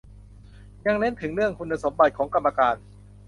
ยังเน้นถึงเรื่องคุณสมบัติของกรรมการ